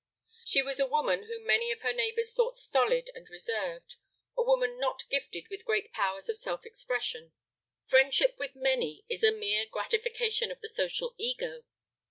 She was a woman whom many of her neighbors thought stolid and reserved, a woman not gifted with great powers of self expression. Friendship with many is a mere gratification of the social ego.